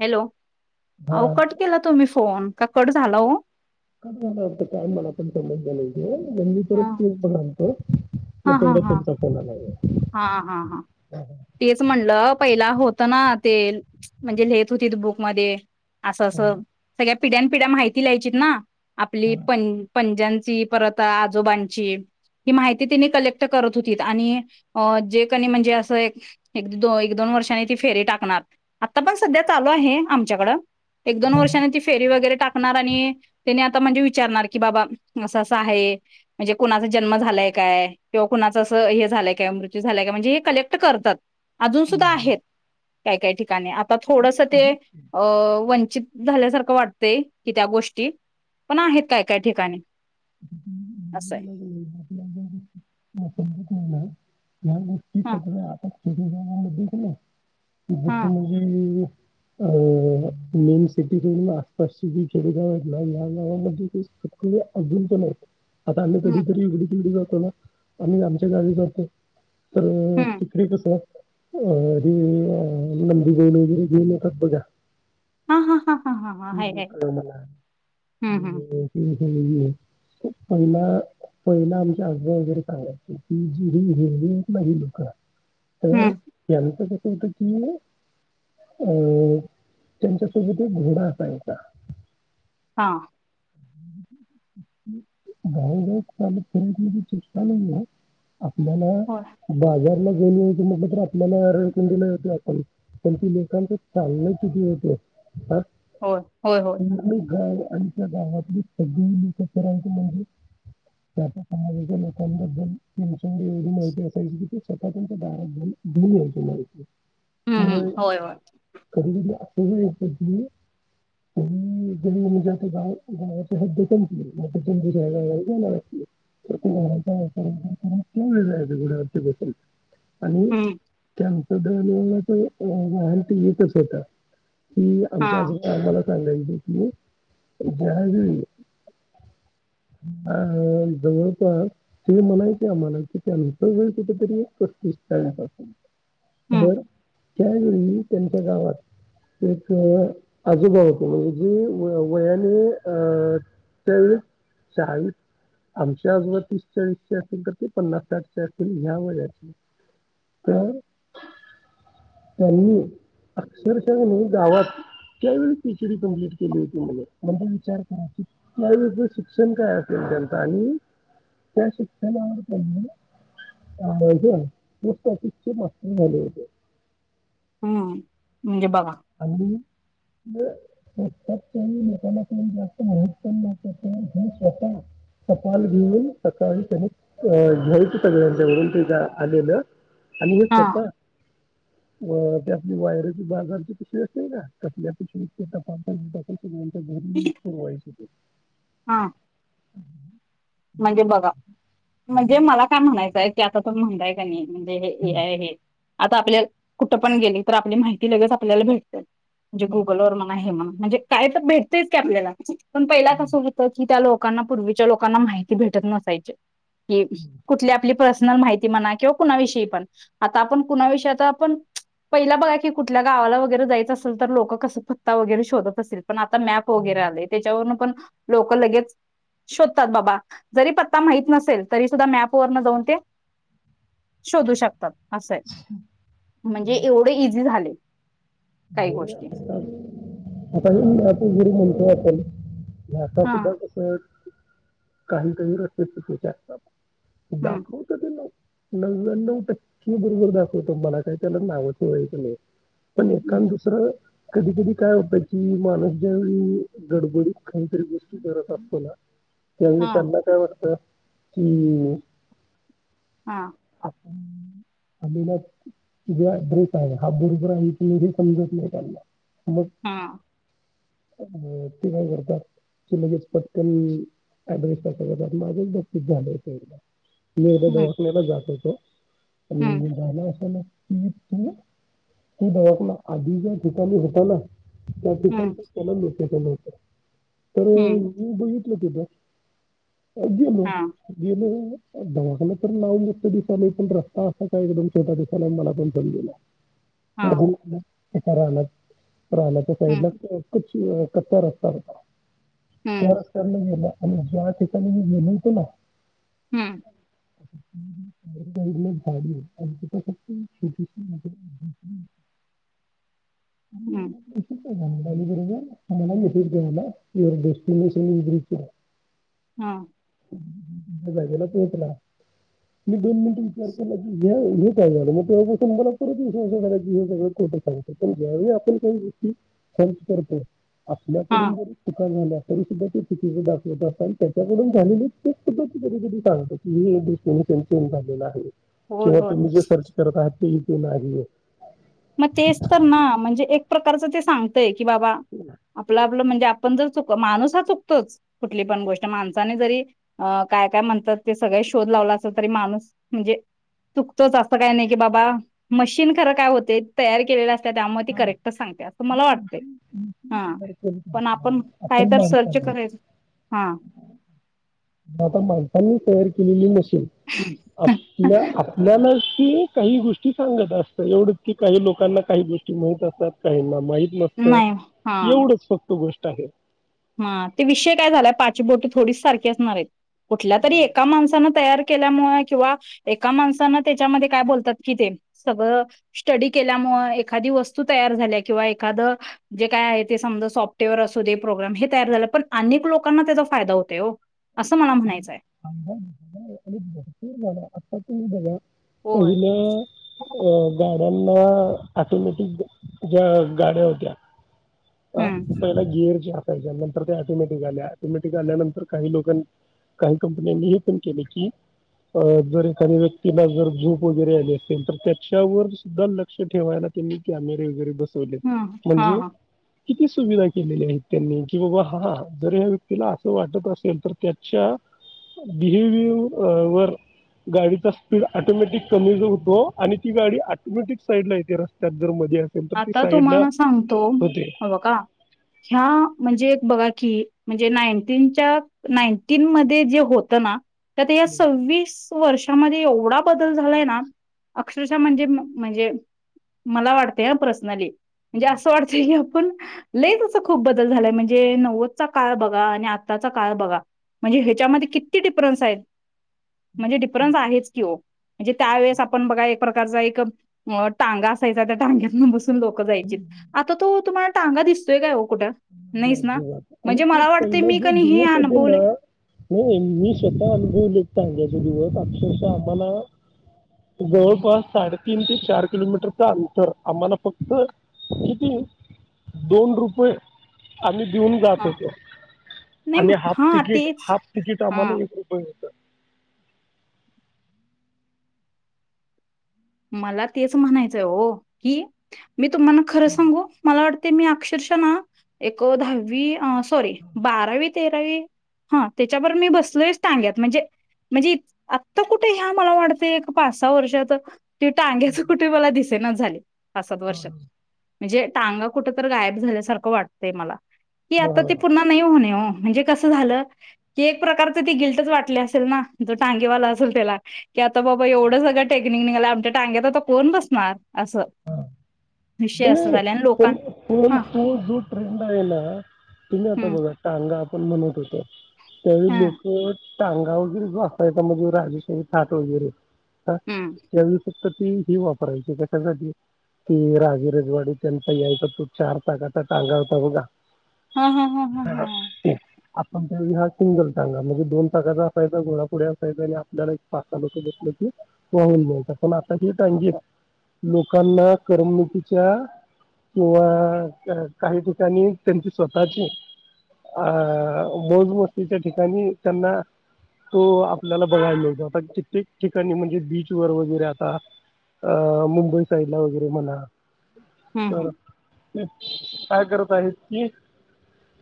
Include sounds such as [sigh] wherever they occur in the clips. Hello हा हो cut केला तुम्ही फोन का कट झाला हो! कट झाला वाटत काय मला पण समजल नाही. मी आणि परत हा तेच बघाल तो हा हा तोपर्यंत हा. तुमचा कॉल आला. हा हा हां तेच म्हणलं पहिला होत ना ते म्हणजे लिहेत होती बुकमध्ये असं हां, असं सगळ्या पिढ्या पिढ्या माहिती लीहायचीत ना? आपली हां. पं पंजयाच आजोबांची ही माहिती तेनी कलेक्ट करत होती आणि अ जे कणी म्हणजे असं एक एक दोन वर्षानी ती फेरी टाकणार आता पण सध्या चालू- हे आमच्याकड एक दोन वर्षान ती फेरी वगैरे टाक. णार आणि त्यानी आता म्हणजे विचारणार की बाबा असं -अस आहे म्हणजे कोणाचा जन्म झालाय! काय किंवा कुणाचं असं हे झालय. मृत्यु झालाय काय म्हणजे हे कलेक्ट करतात अजून सुद्धा बोललो. आहेत काही काही ठिकाणी आता मी थोडस ते आधीच वंचित झाल्यासारखं वाटतंय कि त्या गोष्टी पण आहेत काय काय ठिकाणी असं आहे ला ह्या गोष्टी हा सगळ आपण खेरीगामध्ये ना ज हा म्हणजे हम मेन सिटीत आसपासची जी खेडेगाव आहेत ना या गावामध्ये सग अजून पण आहेत आता आम्ही हम्म कधीतरी इगडी तगडी जातो ना आम्ही आमच्या गाडी जातो तर हम्म तिकडे कस अी लंबी गईनरी ग तरबघ हा हा हा हा हा हाय हाय त मला हम्म हम्म आणि पहिला पहिलंमच्या आजर का क ज हे माझी लुक तर हम्म यांच होत की अ त्यांच्यासोबत एक घोडा काय का हा गाय ग फिरी चष्टला आहे आपल्याला होय बाजार गेली होती मग म्र आपलाळून दिले होते आपण पण त लोकांच चाल किती होत होय होय होय गाव आणि त्या गावातली दतराां म्हजे त्या समाजाच्या लोकांबद्दल असंग एवढी माहिती असायची की स्वतः त्यांच्या बाारल ब हम्म हम्म होय होय ग गा दम क मम क जग आहे नाकी गुडवरती बसल आणि हम्म कॅन्सर दच वाल एकच होता कि हा आमच्याज आम्हाला कायलाहिज की दहाज [unintelligible] अ जवळपास ते म्हणायती मलाती त्यांनुस वेळ कुठेतरी कस दिसत हम्म त्यावेेळी त्यांच्या गावात एक आजोबाबा त म्हणजे जी वयाने अ ते वी आमच्या आजबा तीस चाळीस असेल तर ते पन्नास साठश असेल ह्या वाचे ह नाही अक्षरशः मी गावात का वेळीस पीचडी कंप्लीट केली होती म्ह म्हणजे विचार करा शिक्षण काय असेल त्यांचं आणि त्या शिक जाणारहि हज म झा हो हम्म म्हणजे बघ हांज स्त लोकांना जास्त मह प हे स्वतः सपाल घेऊन सकाळी त्याने अ घ्यायच सगळ्यांच्यावरून तेच्या आलेलं आणि हे हा स्वतः ते आपली वायरचे बाजारची वा हा म्हणजे बघा म्हणजे मला काय म्हणायचंय की आता तुून म्हणताय का नाही म्हणजे हेय हे आता आपल्या कुठं पण गेली तर आपली माहिती लगेच आपल्याला भेट म्हणजे गुगल वर मण आहे म्ह म्हणजे काय तर भेटतेयच क आपल्याला पण पहिला कसं होतं की त्या लोकांना पूर्वीच्या लोकांना माहिती भेटत नसायची कि कुठली आपली प्र मा म्हणा किंवा कुणाविषयी पण आता आपण कुणाविषयी आपण पहिला बघा की कुठल्या गावाला वगैरे जायचं असेल तर लोक कसं पत्ता वगैरे शोधत असेल पण आता मॅप वगैरे आले त्याच्यावरून पण लोक लगेच शोधतात बाबा जरी पत्ता माहत नसेल तरी सुद्धा मॅप वरन जाऊन ते शोधू शकतात असं आहे म्हणजे एवढे इझी झाले काही गोष्टी आता आ गरी म्हणतो आपण [unintelligible] आता हा सुद्धा तस काही काही रस्ते चुकीेचे असतात हम्म दाखव त ते ना [unintelligible] नव्याण्व टक्के बरोबर दाखवतो मला काही त्याला नावच वयचं नाही हम्म कारण दुसरं कधी कधी काय होत की माणस ज्यावेेळी गडबडीत काहीतरी गोष्टी करत असतो ना त्या हा त्यांना काय वाटतं ह हा अलीला इे बरीतय आहे हबुडबरा तीरी [unintelligible] समजत नाही ला हा अ ते काय करतात गेच पटकन अडवीस ता माझचती झालं एक [unintelligible] मी् एकदा हम्म दवाखाण्याला जात होतो हम्म आणि झा अस त त तू दवात ना [unintelligible] आधी ज्या ठिकाणी होता ना त्या ठिकाणी हम्म त्याना नोट्याच नव्हत तर हम्म ह बघेतलं कि ब अ गेल हा गेल धमाकाला तर लाव मस्त दिसायला पण रस्ता असा काय एकदम छोटा दिसायला मला पण कळेना. हा [inaudible] कच्चा हम्म रस्ता होता त्या हम्म रत्त्याने गेला. आणि ज्या ठिकाणी मी गेलो होतो ना हम्म [unintelligible] [inaudible] हम्म आणि [inaudible] [inaudible] मला मेसेज कळवला युअर डेस्टिनेशन इस [inaudible] हम जा गेला पोहचला मी दोन मिनिट विचार केला की हे काय झालं मग तेव्हापासून मला परतय सग सगळं ांगत पण ज्यावेळी आपण काही गोष्टी खर्च करतो हा आपल्याकडून जरी चुका झाल्या तरी सुद्धा ते चुका दाखवत असत आणि त्याच्याकडून झालेली चूक सुद्धा ते की कधी सांगत की दृष्टीने स चेंज झालेलं आहे होय किंवा होय तुम्ही जे सर्च करत आहात ते इथ नाही आहे मग तेच तर ना म्हणजे एक प्रकारच ते सांगतय की बाबा आपला म्हणजे आपण माणूस हा चुकतो कुठली पण गोष्ट माणसाने जरी काय काय म्हण ते सगळे शोध लाव असेल तरी माणूस म्हणजे चुकतोच असं काही नाही की बाबा मशीन खरं काय होते तयार केलेला त्यामुळे त करेक्ट सांगत्या असं मला वाटत हा पण आपण आपण काहीतर सर्च माणसाने करेल हा आता माणसांनी तयार केलेली मशीन आपल्या आपल्यालाच क काही गोष्टी सांगत असत एवढ की काही लोकांना काही गोष्टी माहीत असतात काही ना माही नसत नाही हा एवढच फक्त गोष्ट आहे थोडी सारखी असणार कुठल्या तरी एका माणसा तयार केल्यामुळ किंवा एका माणसानं त्याच्यामध्ये काय बोलतात की ते सगळं स्टडी केल्या केल्यामुळ एखादी वस्तू तयार झाल्या किंवा एखादं जे काय आहे ते समजा सॉफ्टवेअर असूदे प्रोग्रम हे तयार झालं पण अनेक लोकांना त्याचा फायदा होतय हो असं मला म्हणायचंय [inaudible] भरपूर झालं आता तुम्ही बगा होय. पहिले अ गाड्यांना ऑटोमॅटिक ज्या गाड्या होत्या हम्म पहिला गिअरच्या नंतर ते ऑटोमॅटिक आल्या ऑटोमॅटिक आल्यानंतर काही लोकां काही कंपन्यांनी हे पण केलं की. अ जर एखाद्या व्यक्तीला जर झोप वगैरे आली असेल तर त्याच्यावर सुद्धा लक्ष ठेवायला त्यांनी कॅमेरे वगैरे बसवलेत हम्म हा म्हणजे हा किती सुविधा केलेल्या आहेत त्यांनी कि बाबा हा जर ह्या व्यक्तीला असं वाटत असेल तर त्याच्या भिहेविअरवर. गाडीचा स्पीड ऑटोमॅटिक कमी ज होतो आणि ती गाडी ऑटोमॅटिक साईड ला येते रस्त्यात जर म आता तुम्हाला सांगतो होते हे ब का ह्या म्हणजे एक बघा म्हणजे नाइन टिनच्या नाइनटिन मध्ये जे होत ना त्यात या सव्वीस त वर्षामध्ये एवढा बदल झालाय ना अक्षरशः म्हणजे म्हणजे मला वाटतय ह पर्सनली म्हणजे असं वाटतंय क पण लयच असं खूप बदल झालाय म्हणजे नव्वदचा काळ बघा आणि आताचा काळ बघा म्हणजे ह्याच्यामध्ये किती डिफरन्स आहेत म्हणजे डिफरन्स आहेच की हो म्हणजे त्यावेेळेस आपण बघा एक प्रकारचा एक टांगा असायचा त्या टांग्यात बस लोक जायचीत आता तो तुम्हालाांगा दिसतोय काय कुठं नाहीच ना अजिबात आणि म्हणजे ते मला वाटते पहिला मी जे कणी हे दिवस होते अनुभवले ना नाही मी स्वतः अनुभवलेेत चांगल्याचे दिवस अक्षरश आम्हाला. जवळपास साडेतीीन ते चार किलोमीटरच अंतर आम्हाला फक्त किती. दोन रुपये आम्ही. हेऊन जात हां. होतो नाही आणि हाफ हा तिकीट तेच हाफ तिकीट हा आम्हाला एक रुपये होत. मला तेच म्हणायचंय हो की मी तुम्हाना खरं सांगू मला वाटत. ते मी अक्षरश ना एक दहावी सॉरी बारावी तेरावी. हा त्याच्यावर मी बसलच सांगत म्हणजे. म्हणजे आत्ता कुठे ह्या मला वाटते एक पाच सहा वर्षात. तेिवटांग्याच कुठे मला दिसेना झाले पाच सात वर्षात. म्हणजे टांगा कुठ तर गायब झाल्यासारखं वाटतय मला की आता ती हा. पुन्हा नाही होणे हो. म्हणजे कसं झालं की एक प्रकारच ती गिल्टच वाटले असेल ना जो टांगेवाला असेल त्याला. की आता बाबा एवढं सगळं टेक्निक निघालं आमच्या टांग्यात कोण बसणार असं. विषय असं नाही झाला आणि लोकां पण पण हा तो जो ट्रेंड आहे ना. तुम्ही आता हम्म बघा टांगा आपण म्हणत होतो त्यावेळी हा लोक टांगा वगैरे जो असता य म्हणजे राजेशाही थाट वगैरे ह हम्म त्या तर त ही वापरायची कशासाठी की वीरजवाडी त्यांचा यायचा तो चार चाकाचा टांगा होता बघा. हा हा हा हा. आपण त्या हा सिंगल टांगा म्हणजे दोन प्रकारचा असायचा घोडा पुढे असायचा आणि आपल्याला एक पाच साहा लोक बसले. वाहून ण्यांयचा पण आता ती टागी लोकांना करमणुकीचे च्या किंवा काही ठिकाणी त्यांची स्वतःची. अ मोजमस्तीच्या ठिकाणी त्यांना. तो आपल्याला बघायलाेत आता कित्येक ठिकाणी म्हणजे बीच वर वगैरे आता. अ मुंबई साईड ला वगैरे म्हणा. हम्म हम्म काय करत आहेत की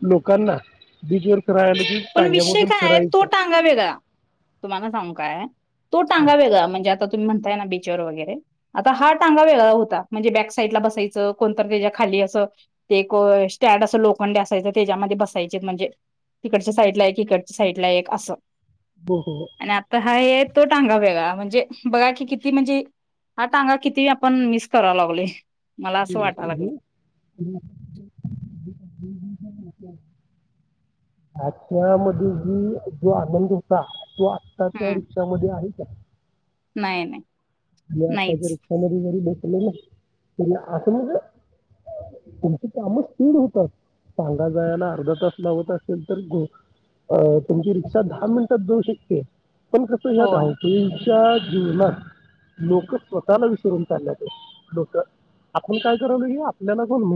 लोकांना बिजवर. पण विषय काय आहे, तो टांगा वेगळा तुम्हाला सांगू काय. तो टांगा वेगळा म्हणजे आता म्हणताय ना बिचर वगैरे, आता हा टांगा वेगळा होता, म्हणजे बॅक साईडला बसायच, कोण तर त्याच्या खाली ते असं, एकं स्टॅन्ड अस लोखंडी असायच, त्याच्यामध्ये बसायचे म्हणजे तिकडच्या साईडला एक, इकडच्या साईडला एक, असं, हो हो आणि आता हा एक तो टांगा वेगळा, म्हणजे बघा की किती म्हणजे. हा टांगा किती आपण मिसं कराय लागलोय. मला असं हम [unintelligible] वाटायला लागले हां, त्यामध्ये ही जो आनंद होता तो. आत्ताच्या हम्म रिक्षामध्ये आहे का? नाही, नाही. जे आताच्या नाहीच रिक्षा मध्ये जरी बसले ना, तरी आत मध्ये. तुमची काम स्पिड होतात. टांगा जायाला अर्धा तास लावत असेल तर ग. अ तुमची रिक्षा दहा मिनिटात जाऊ शकते. पण कसं ह्या होय धावपळीच्या जीवनात लोकं स्वतःला विसरून चालल्यात लोक आपण काय करालोय हे आपल्याला पण म्हा